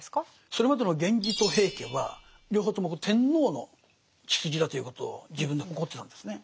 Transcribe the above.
それまでの源氏と平家は両方ともこれ天皇の血筋だということを自分で誇ってたんですね。